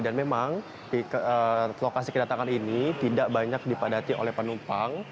dan memang lokasi kedatangan ini tidak banyak dipadati oleh penumpang